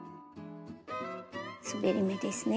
すべり目ですね。